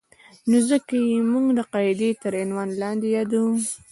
نو ځکه یې موږ د قاعدې تر عنوان لاندې یادوو.